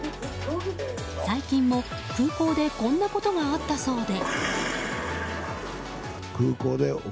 最近でも空港でこんなことがあったそうで。